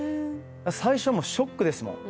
最初はもうショックですもん。